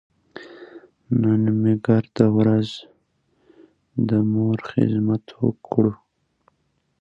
د نبات ساقې یا تنې دنده څه ده